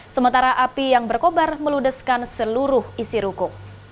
sementara api yang berkobar meludeskan seluruh isi ruko